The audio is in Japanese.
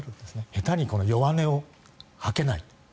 下手に弱音を吐けない。